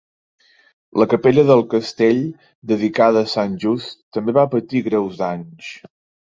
La capella del castell, dedicada a Sant Just, també va patir greus danys.